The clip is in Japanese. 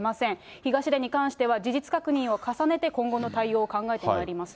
東出に関しては、事実確認を重ねて、今後の対応を考えてまいりますと。